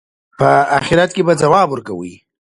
په آخرت کې به ځواب ورکوئ.